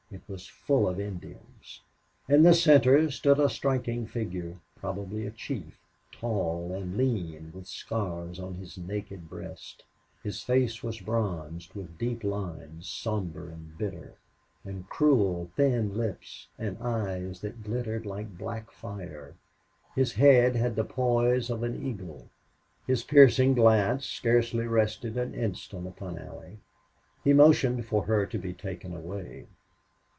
It was full of Indians. In the center stood a striking figure, probably a chief, tall and lean, with scars on his naked breast. His face was bronze, with deep lines, somber and bitter, and cruel thin lips, and eyes that glittered like black fire. His head had the poise of an eagle. His piercing glance scarcely rested an instant upon Allie. He motioned for her to be taken away.